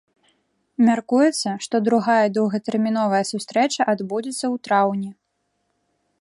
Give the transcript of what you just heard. Мяркуецца, што другая доўгатэрміновая сустрэча адбудзецца ў траўні.